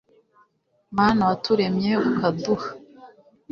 mana waturemye ukaduha